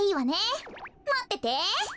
まってて。